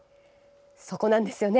そこなんですよね。